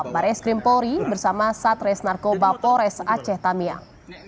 marek skrimpori bersama satres narkoba pores aceh tamiang